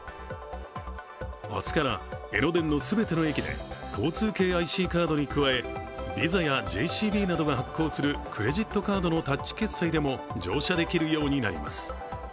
明日から江ノ電の全ての駅で交通系ＩＣカードに加えＶＩＳＡやＪＣＢなどが発行するクレジットカードのタッチ決済でも乗車できるようになります。